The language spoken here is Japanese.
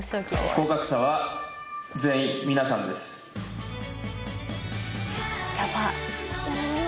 ・合格者は全員皆さんです・ヤバっ。